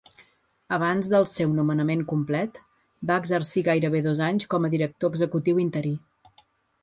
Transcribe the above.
Abans del seu nomenament complet, va exercir gairebé dos anys com a director executiu interí.